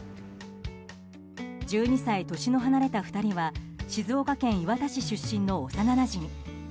１２歳年の離れた２人は静岡県磐田市出身の幼なじみ。